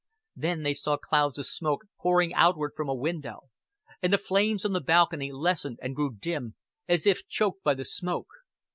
Then they saw clouds of smoke pouring outward from a window; and the flames on the balcony lessened and grew dim, as if choked by the smoke.